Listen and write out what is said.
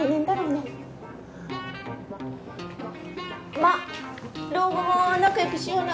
まあ老後も仲良くしような。